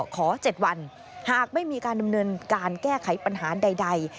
ขอ๗วันหากไม่มีการดำเนินการแก้ไขปัญหาใด